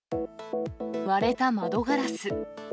割れた窓ガラス。